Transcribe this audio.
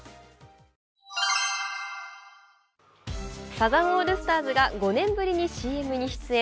サザンオールスターズが５年ぶりにＣＭに出演。